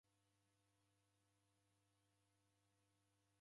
Daw'eruw'uka moda